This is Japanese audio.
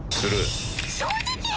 正直！